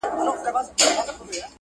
هغې ويل ه نور دي هيڅ په کار نه لرم.